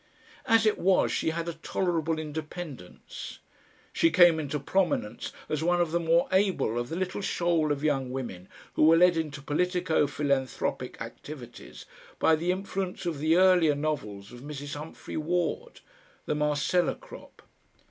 As it was she had a tolerable independence. She came into prominence as one of the more able of the little shoal of young women who were led into politico philanthropic activities by the influence of the earlier novels of Mrs. Humphry Ward the Marcella crop.